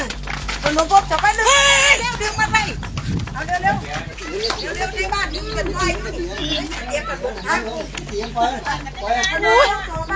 เฮ้ยเร็วเร็วเร็วเร็วเร็วเร็วเร็วในบ้านหยุดมา